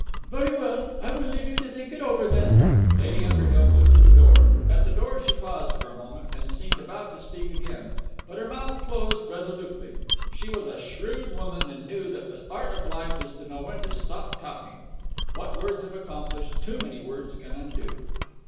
"Very well. I will leave you to think it over, then." Lady Underhill moved to the door. At the door she paused for a moment, and seemed about to speak again, but her mouth closed resolutely. She was a shrewd woman, and knew that the art of life is to know when to stop talking. What words have accomplished, too many words can undo.